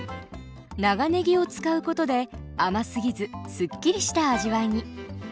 長ねぎを使うことで甘すぎずすっきりした味わいに。